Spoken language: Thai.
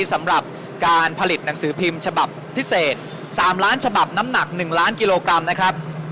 สำหรับการผลิตหนังสือพิมพ์ฉบับพิเศษ๓ล้านฉบับน้ำหนัก๑ล้านกิโลกรัมนะครับ